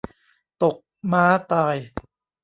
ตกม้าตาย